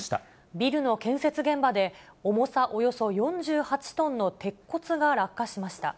ビルの建設現場で、重さおよそ４８トンの鉄骨が落下しました。